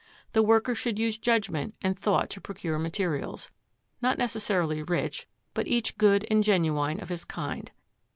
The worker should use judgment and thought to procure materials, not necessarily rich, but each good and genuine of its kind.